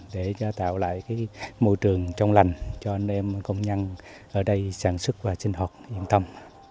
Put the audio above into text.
để tạo lại môi trường trong lành cho anh em công nhân ở đây sản xuất và sinh hoạt yên tâm